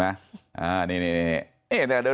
เห็นมั้ย